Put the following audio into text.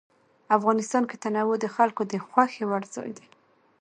افغانستان کې تنوع د خلکو د خوښې وړ ځای دی.